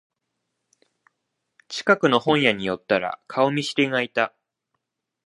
近くの本屋に寄ったら顔見知りがいた